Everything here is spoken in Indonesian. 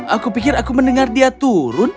aku pikir aku mendengar dia turun